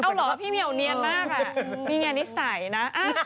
เอาเหรอพี่เหนียวเนียนมากอ่ะนี่ไงนิสัยนะ